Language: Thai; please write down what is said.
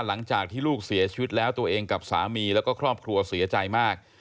หลังจากที่ลูกเสียชีวิตแล้วตัวเองกับสามีแล้วก็ครอบครัวเสียใจมาก